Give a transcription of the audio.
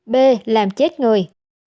b làm chết người